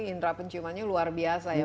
indra penciumannya luar biasa ya pak